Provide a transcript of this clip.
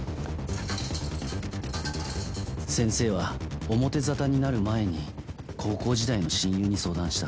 先生は表沙汰になる前に高校時代の親友に相談した。